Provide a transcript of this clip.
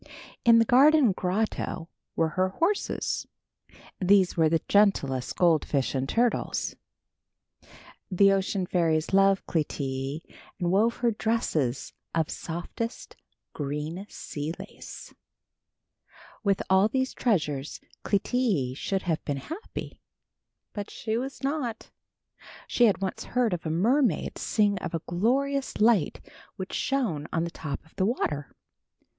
In the garden grotto were her horses. These were the gentlest goldfish and turtles. The ocean fairies loved Clytie and wove her dresses of softest green sea lace. With all these treasures Clytie should have been happy, but she was not. She had once heard a mermaid sing of a glorious light which shone on the top of the water.